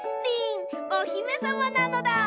リンおひめさまなのだ。